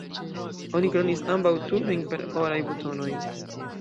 Oni kronis ambaŭ turojn per oraj butonoj.